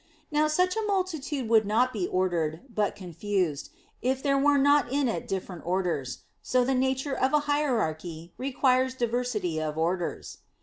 Now such a multitude would not be ordered, but confused, if there were not in it different orders. So the nature of a hierarchy requires diversity of orders.